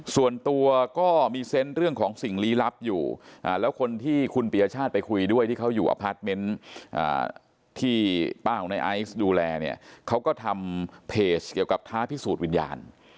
ส่วนตัวก็มีเซนต์เรื่องของสิ่งลี้ลับอยู่แล้วคนที่คุณปียชาติไปคุยด้วยที่เขาอยู่อพาร์ทเมนต์ที่ป้าของในไอซ์ดูแลเนี่ยเขาก็ทำเพจเกี่ยวกับท้าพิสูจน์วิญญาณ